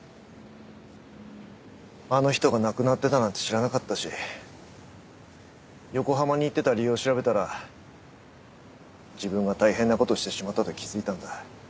あの人が亡くなってたなんて知らなかったし横浜に行ってた理由を調べたら自分が大変な事をしてしまったと気づいたんだ。